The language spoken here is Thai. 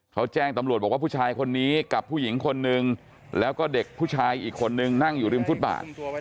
เขาแจ้งตำรวจบอกว่าผู้ชายคนนี้กับผู้หญิงคนนึงแล้วก็เด็กผู้ชายอีกคนนึงนั่งอยู่ริมฟุตบาท